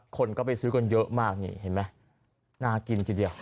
คนก็ไปซื้อกันเยอะมากนี่เห็นไหมน่ากินทีเดียว